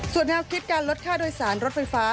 ส่วนแนวคิดการลดค่าโดยสารรถไฟฟ้า